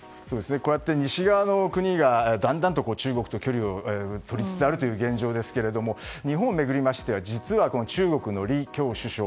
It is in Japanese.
こうやって西側の国がだんだんと中国と距離をとりつつあるという現状ですが日本を巡りましては実は、中国の李強首相